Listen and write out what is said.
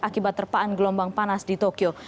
akibat terpaan gelombang panas di tokyo